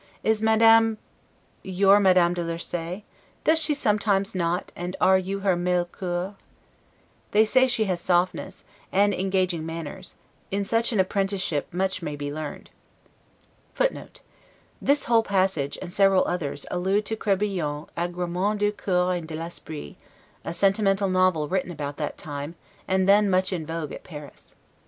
Is Madame your Madame de Lursay? Does she sometimes knot, and are you her Meilcour? They say she has softness, sense, and engaging manners; in such an apprenticeship much may be learned. [This whole passage, and several others, allude to Crebillon's 'Egaremens du Coeur et de l'Esprit', a sentimental novel written about that time, and then much in vogue at Paris.